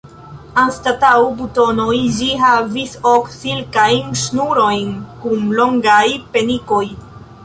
Anstataŭ butonoj ĝi havis ok silkajn ŝnurojn kun longaj penikoj.